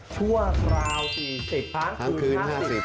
ชั่วคราว๔๐ครั้งคืน๕๐